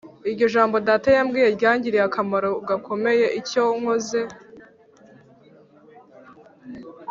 Iryo jambo data yambwiye ryangiriye akamaro gakomeye. Icyo nkoze